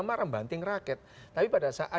marah membanting raket tapi pada saat